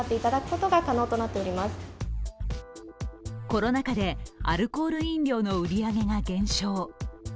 コロナ禍でアルコール飲料の売り上げが減少。